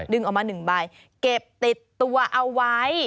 ดึงออกมาหนึ่งใบเก็บติดตัวเอาไว้